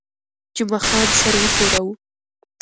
جمعه خان سر وښوراوه.